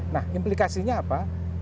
nah implikasinya apa